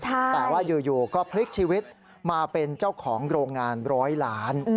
แต่ว่าอยู่ก็พลิกชีวิตมาเป็นเจ้าของโรงงานร้อยล้าน